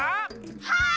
はい！